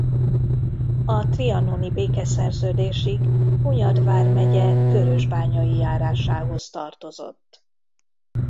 A trianoni békeszerződésig Hunyad vármegye Körösbányai járásához tartozott.